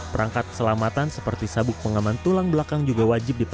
perangkat keselamatan seperti sabuk pengaman tulang belakang juga wajib diperlukan